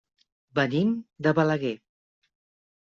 Venim de Balaguer.